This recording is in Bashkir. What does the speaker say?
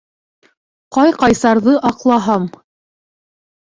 Ҡай-Ҡайсарҙы аҡлаһам.